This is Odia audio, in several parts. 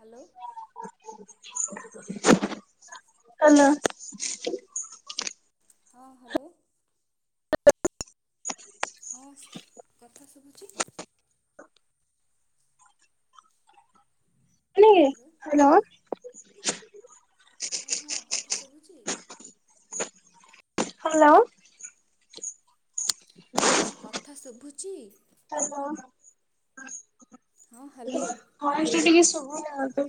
ହାଲୋ। ହାଲୋ। ହଁ -ହାଲୋ। ହଁ ଶ୍ କଥା ଶୁଭୁଚି? Hello [unintelligible] hello. ହଁ- ହଁ କଥା ଶୁଭୁଚି? ହାଲୋ। ହଁ କଥା ଶୁଭୁଚି? ହାଲୋ। ହଁ ହ୍ୟାଲୋ ଭଏସ୍ ଟା ଟିକେ ଶୁବୁନି ଆଦୌ।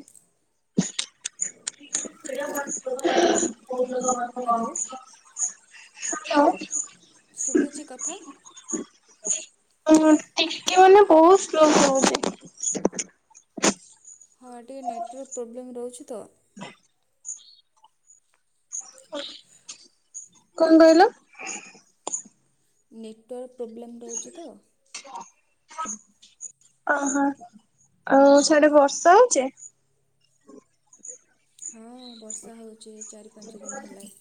ହାଲୋ। ହ୍ୟାଲୋ ଶୁଭୁଚି କଥା? ହଁ -ଟିକେ ମାନେ ବହୁତ୍ ସ୍ଲୋ ଶୁଭୁଚି। ହଁ ଟିକେ ନେଟୱାର୍କ ପ୍ରୋବ୍ଲେମ୍ ରହୁଛି ତ। କଣ୍ କହିଲ? ନେଟୱାର୍କ ପ୍ରୋବ୍ଲେମ୍ ରହୁଚି ତ। ଓହୋ ଆଉ ସିଆଡେ ବର୍ଷା ହଉଚି? ହଁ ବର୍ଷା ହଉଚି ଏଇ ଚାରି ପାଞ୍ଚ ଦିନ ହେଲାଣି।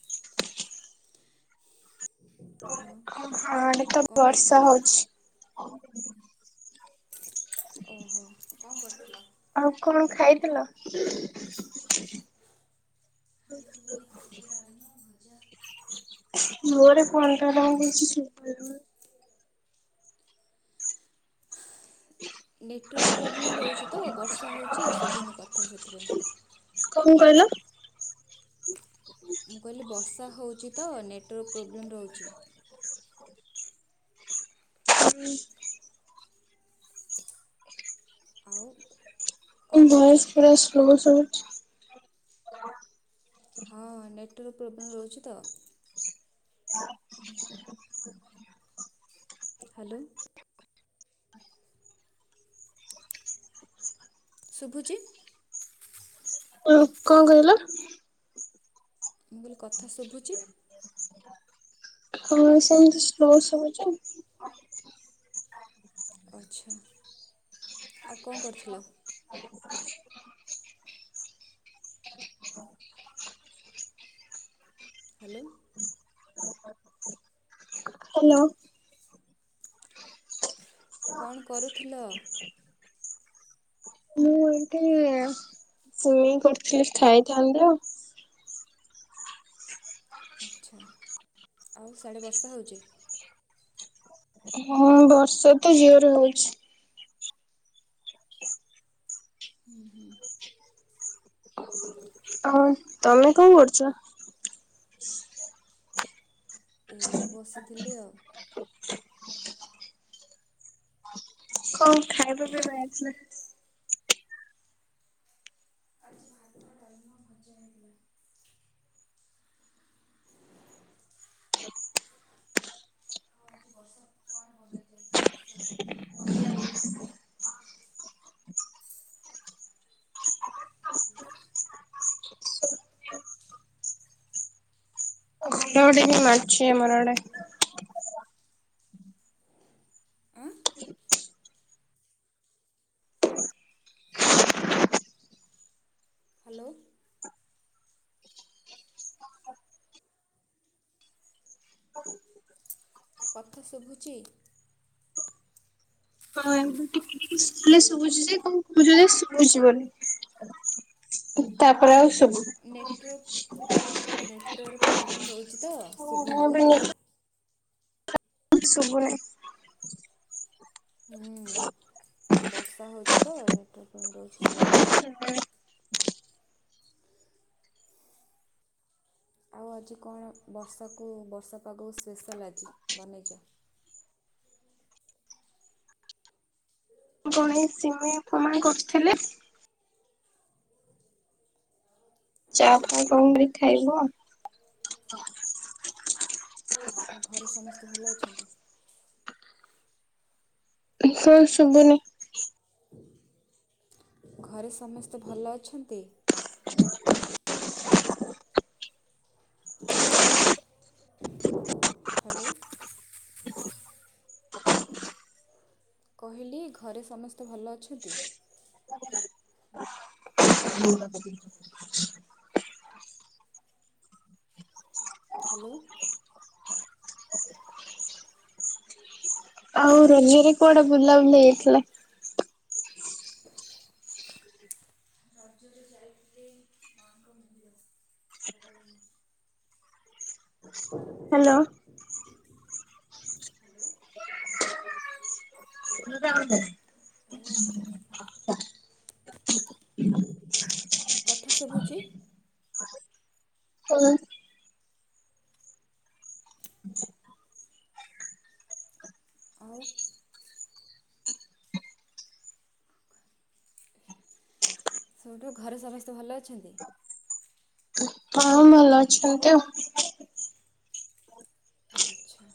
ଆଉ। ଆଡ଼େ ତ କ'ଣ ବର୍ଷା କରୁଥିଲ ହଉଚି। ଓହୋ କଣ କରୁଥିଲ? ଆଉ କଣ ଖାଇଥିଲ? ମୁଁ ଖାଇଥିଲି ଭାତ, ଡାଲମା, ଭଜା। ଜୋରେ କୁହନ୍ତୁ [unintelligible] କିଛି ଶୁଭିବନି। ନେଟୱାର୍କ ପ୍ରୋବ୍ଲେମ୍ ରହୁଚି ତ ବର୍ଷା ହଉଚି ଶୁଭୁନି କଥା ସେଥିପାଇଁ। କଣ୍ କହିଲ? ମୁଁ କହିଲି ବର୍ଷା ହଉଚି ତ ନେଟୱାର୍କ ପ୍ରୋବ୍ଲେମ୍ ରହୁଚି। ଆଉ କ'ଣ କରୁଛ ଭଏସ୍ ପୁରା ସ୍ଲୋ ଶୁଭୁ ହଁ ନେଟୱାର୍କ ପ୍ରୋବ୍ଲେମ୍ ରହୁଚି ତ। ହାଲୋ। ଶୁଭୁଚି? କଣ୍ କହିଲ? ମୁଁ କହିଲି କଥା ଶୁଭୁଚି? ହଁ ସେମିତି ସ୍ଲୋ ଶୁବୁଚି। ଆଚ୍ଛା ଆଉ କଣ କରୁଥିଲ? ହାଲୋ। [inaudible] ହାଲୋ। କଣ କରୁଥିଲ? ମୁଁ ଏଇଠି [unintelligible] କରୁଥିଲି ଖାଇଥାନ୍ତି ଆଉ। ଆଚ୍ଛା ଆଉ ସିଆଡ଼େ ବର୍ଷା ହଉଚି? ହଁ ବର୍ଷାତ ଜୋରେ ହଉଛି। ହୁଁ ହୁଁ। ହଁ ଆଉ ତମେ କଣ କରୁଚ? ଏଇ ବସିଥିଲି ଆଉ। କଣ ଖାଇବା ପାଇଁବା ହେଇଥିଲା? ଆଜି ଭାତ, ଡ଼ାଲମା, ଭଜା ହେଇଥିଲା। [unintelligible] ବର୍ଷା [unintelligible] ଏଟା ଗୋଟେ କି ମାଛି ଆମର ଆଡ଼େ। ହାଲୋ। କଥା ଶୁବୁଚି? ହଁ ଏବେ ଟିକେ ଟିକେ ଶୁ ଖାଲି ଶୁବୁଚିଯେ କଣ କହୁଚଯା [unintelligible] ତାପରେ ଆଉ ସୁବୁ ନେଟୱର୍କ ନେଟୱର୍କ ପ୍ରୋବ୍ଲେମ୍ ରହୁଚିତ ଶୁଭୁନି କଥା। ଶୁଭୁନି। ହୁଁ ବର୍ଷା ହଉଚିତ ନେଟୱାର୍କ ପ୍ରୋବ୍ଲେମ ରହୁଚି ସୁଭୁନି ଆଉ। ଆଉ ଆଜି କଣ ବର୍ଷାକୁ ବର୍ଷା ପାଗକୁ ସ୍ପେଶାଲ୍ ଆଜି ବନେଇଚ? କଣ ଏଇ ସିମେଇ ପୁଣି କରୁଥିଲେ। ଚା ଆଚ୍ଛା ପାଣି କଣକରି ଖାଇଲ? ଆଉ ଘରେ ସମସ୍ତେ ଭଲ ଅଛନ୍ତି? [unintelligible] ଶୁବୁନି। ଘରେ ସମସ୍ତେ ଭଲ ଅଛନ୍ତି? ହାଲୋ। କହିଲି ଘରେ ସମସ୍ତେ ଭଲ ଅଛନ୍ତି? [unintelligible] ହାଲୋ। ଆଉ ରଜରେ କୁଆଡ଼େ ବୁଲାବୁଲି ହେଇଥିଲା? ରଜରେ ଯାଇଥିଲେ ମାଙ୍କ ମନ୍ଦିର। ସାରଳା ମାଁ। ହାଲୋ। ଓ କଥା ଶୁଭୁଚି। ହଁ ଆଉ ସେଉଠୁ ଘରେ ସମସ୍ତେ ଭଲ ଅଛନ୍ତି? ହଁ ଭଲ ଅଛନ୍ତି ଆଉ। ଆଚ୍ଛା।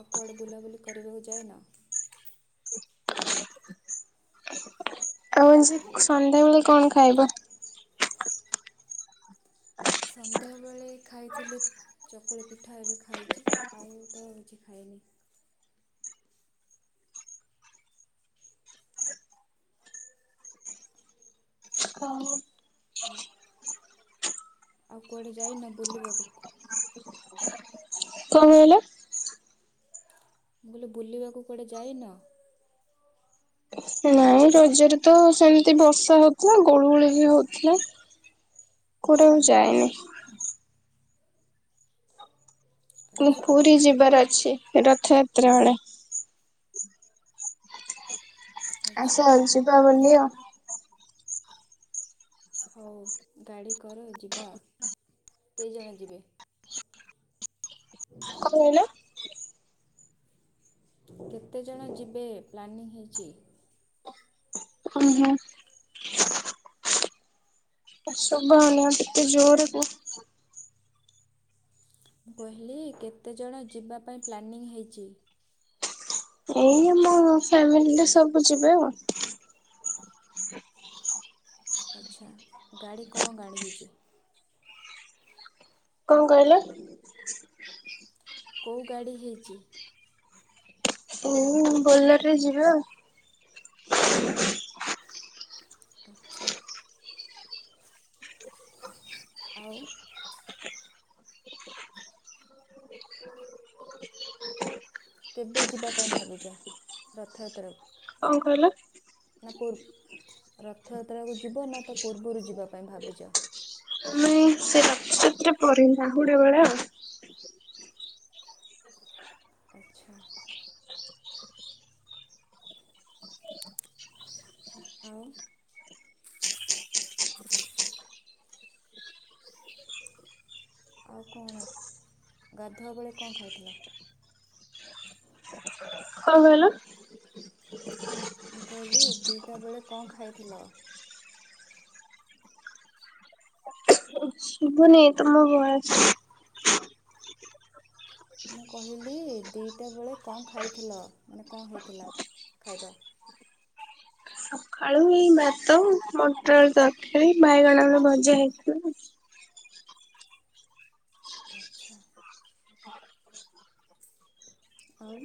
ଆଉ କୁଆଡ଼େ ବୁଲାବୁଲି କରିବାକୁ ଯାଇନ? ଆଉ ଆଜି ସନ୍ଧ୍ୟାବେଳେ କଣ ଖାଇବ? ସନ୍ଧ୍ୟାବେଳେ ଖାଇଥିଲି ଚକୁଳି ପିଠା ଏବେ ଖାଇଛି ଆଉତ କିଛି ଖାଇନି। ହଉ। ଓ ଆଉ କୁଆଡ଼େ ଯାଇନ ବୁଲିବାକୁ? କଣ କହିଲ? ମୁଁ କହିଲି ବୁଲିବାକୁ କୁଆଡ଼େ ଯାଇନ? ନା। ନାଇଁ ରଜରେ ତ ସେମ୍ତି ବର୍ଷା ହଉଥିଲା ଗୁଳୁଗୁଳି ବି ହଉଥିଲା। କୁଆଡେ ଆଉ ଯାଇନି। ମୁଁ ଆଚ୍ଛା ପୁରୀ ଯିବାର ଅଛି ରଥଯାତ୍ରା ବେଳେ। ଆଚ୍ଛା ଆସ ଯିବା ବୁଲିଆ। ହଉ ଗାଡ଼ିକର ଯିବା, କେଇଜଣ ଯିବେ? କଣ [inaudible] କହିଲ? କେତେଜଣ ଯିବେ ପ୍ଲାନିଂ ହେଇଚି? ହଁ-ହଁ। [inaudible] ଶୁଭା ଆଉନି ଆଉ ଟିକେ ଜୋରେ କୁହ। ମୁଁ କହିଲି କେତେଜଣ ଯିବା ପାଇଁ ପ୍ଲାନିଂ ହେଇଚି? ଏଇ ଆମ ଫ୍ୟାମିଲିରେ ସବୁ ଯିବେ ଆଉ। [inaudible] ଆଚ୍ଛା, ଗାଡ଼ି କଣ ଗାଡ଼ି ହେଇଚି? କଣ କହିଲେ? କୋଉ ଗାଡ଼ି ହେଇଚି? ବୋଲର୍ ରେ ଯିବେ ଆଉ। ଆଚ୍ଛା। ଆଉ? କେବେ ଯିବାପାଇଁ ଭାବିଚ ରଥଯାତ୍ରାକୁ? କଣ କହିଲ? ନା ପୁର୍ ରଥଯାତ୍ରାକୁ ଯିବ ନା ତା ପୂର୍ବୁରୁ ଯିବାପାଇଁ ଭାବିଚ? ଉଁ ସେ ରଥଯାତ୍ରା ପେରେ, ବାହୁଡ଼ା ବେଳେ ଆଉ। ଆଚ୍ଛା। ଆଉ? ଆଉ କଣ, ଗାଧୁଆ ବେଳେ କଣ ଖାଇଥିଲ? କଣ କହିଲ? ମୁଁ କହିଲି ଦିଟା ବେଳେ କଣ ଖାଇଥିଲ? ଶୁଭୁନି ତମ ଭଏସ୍। ମୁଁ କହିଲି ଦିଟା ବେଳେ କଣ ଖାଇଥେଲ, ମାନେ କଣ ହେଇଥେଲା ଖାଇବା? ସଖାଳୁ ଏଇ ଭାତ, ମଟର ଆଳୁ ତରକାରୀ, ବାଇଗଣ ଆଳୁ ଭଜା ହେଇଥିଲା। ଆଚ୍ଛା। ଆଉ?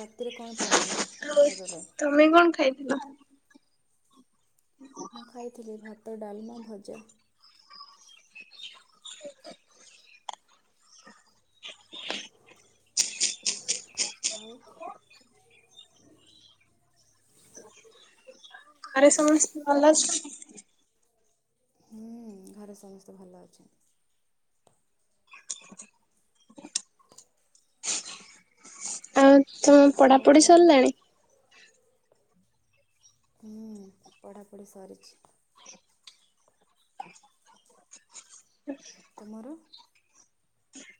ରାତିରେ କଣ ପ୍ଲାନିଂ ଆଉ। ଖାଇବା ପାଇଁ? ତମେ କଣ ଖାଇଥିଲ? ମୁଁ ଖାଇଥିଲି ଭାତ, ଡାଲମା, ଭଜା। ଆଉ? ଘରେ ସମସ୍ତେ ଭଲ ଅଛନ୍ତି? ହୁଁ ଘରେ ସମସ୍ତେ ଭଲ ଅଛନ୍ତି। ଠିକ [inaudible] ଆଉ ତମ ଆଉ ପଢାପଢି କ'ଣ ସରିଲାଣି? ହୁଁ ପଢ଼ାପଢ଼ି ସରିଛି। ତୁମର?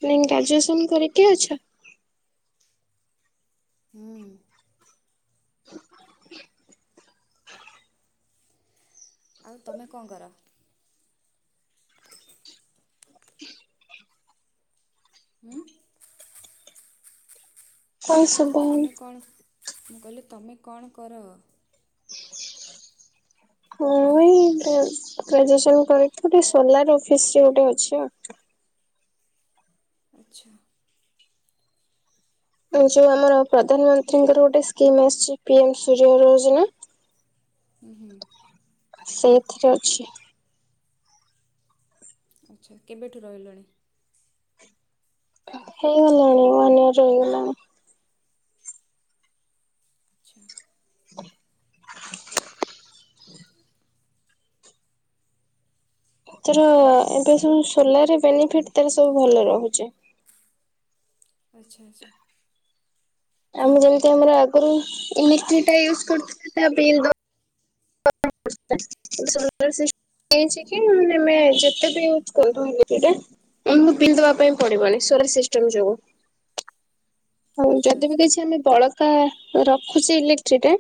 ନାଇଁ ଗ୍ରାଜୁଏସନ୍ କରିକି ଅଛ? ହଁ। ଆଉ ତମେ କଣ କର? ହଁ। କଂଶୁ ତମେ କଣ ମୁଁ କହିଲି ତୁମେ କଣ କର? ହଁ ଏଇ ଗ୍ରାଜୁଏସ କରି ଗୋଟେ ସୋଲାର ଅଫିସ ଗୋଟେ ଅଛି। ଆଚ୍ଛା। ଯୋଉ ଆମର ପ୍ରଧାନମନ୍ତ୍ରୀଙ୍କର ଗୋଟେ ସ୍କିମ୍ ଆସିଛି ପି ଏମ ସୂର୍ଯ୍ୟଘର ଯୋଜନା। ହୁଁ ହୁଁ। ସେଇଥିରେ ଅଛି। ଆଚ୍ଛା କେବେଠୁ ରହିଲଣି? ହେଇଗଲାଣି ୱାନ୍ ଇୟର ରେ ହେଇଗଲାଣି। ଆଚ୍ଛା [inaudible] ତର ଆଉ ଏବେ ସବୁ ସୋଲାରେ ବେନିଫିଟ ତାର ସବୁ ଭଲ ରହୁଛି। ଆଚ୍ଛା ଆଚ୍ଛା। ଆମେ ଯେମିତି ଆମର ଆଗରୁ ଇଲେଟ୍ରି ଟା ୟୁଜ କରୁଥିଲେ [unintelligible] [unintelligible] ହେଇଚି [unintelligible] ଯେତେ ବି ୟୁଜ କୁ [unintelligible] ପିବା ପାଇଁ ପଡିବନି ହୁଁ ହୁଁ ସୋଲାର ସିଷ୍ଟମ ଯୋଗୁ। ହଉ ଆଚ୍ଛା ଯଦି ବି ଆଚ୍ଛା କିଛି ଆମେ ବଳ ରଖୁଛି ଇଲେକ୍ଟ୍ରି ଟା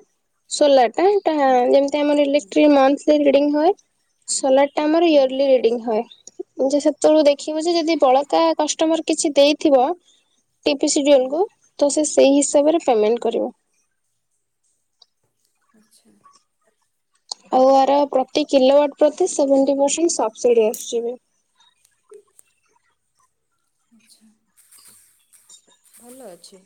ସୋଲାର ଟାଟା ସେଟା ହୁଁ ଯେମତି ଆମର ହୁଁ ଇଲେକ୍ଟ୍ରି ମନ୍ଥ ତିଇ ରିଡିଙ୍ଗ ହୁଏ ସୋଲାର ଟା ଆମର ହୁଁ ଇୟରଲି ରିଡିଙ୍ଗ ହୁଏ। ହୁଁ ଯେ ସେତେବେଳକୁ ଦେଖିବୁ ଯେ ଯଦି ବଳକା କଷ୍ଟମର କିଛି ଦେଇଥିବ ଟିପି ସିଡିୟର ହୁଁ ଙ୍କୁ। ତ ସେଇ ହିସାବରେ ପେମେଣ୍ଟ କରିବ। ଆଚ୍ଛା। ଆଉ ଆର ପ୍ରତି କିଲୋୱାଟ ପ୍ରତି ସେଭେନଟି ପରସେଣ୍ଟ ସବସିଡି ଆସିଯିବ। [unintelligible] ଭଲ ଅଛି।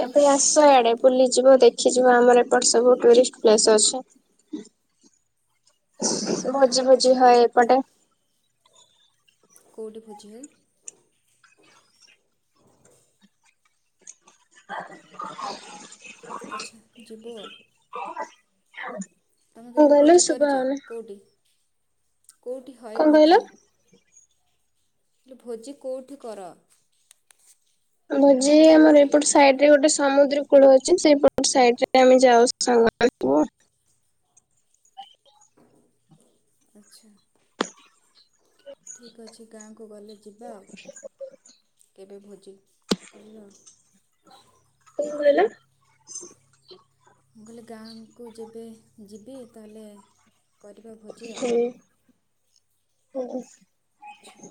କେବେ ଆସ ଇଆଡେ ବୁଲିଯିବ ଦେଖିଯିବ ଆମର ଏପଟେ ସବୁ ଟୁରିଷ୍ଟ ପ୍ଲେସ ଅଛି। ହଁ ହଁ ଭୋଜି ଭୋଜି ଯିବି ହୁଏ ଏପଟେ। କଉଟି ଭୋଜି ହୁଏ। [unintelligible] ଆଚ୍ଛା ଯିବୁ ଆଉ। ହଁ। ତୁମେ କେବେ ଭୋଜି କରିଚ କଉଟି କଉଟି ହଏ କଣ କହିଲ? ଭୋଜି? ହେଲେ ଭୋଜି କୋଉଠି କର? ଭୋଜି ଆମର ଏଇପଟ ସାଇଟ ରେ ଗୋଟେ ସମୁଦ୍ର କୂଳ ଅଛି, ସେଇପଟ ସାଇଟ ରେ ଆମେ ଯାଉ। ସାଙ୍ଗ [unintelligible] ଆଚ୍ଛା। ଠିକ୍ ଅଛି ଗାଁକୁ ଗଲେ ଯିବା ଆଉ, କେବେ ଭୋଜି କରିବା ଆଉ। କଣ କହିଲ? ମୁଁ କହିଲେ ଗାଁକୁ ଯେବେ ଯିବି ତାହେଲେ କରିବା ଭୋଜି ଆଉ। ହୁଁ ଉଁହ୍। ଆଚ୍ଛା।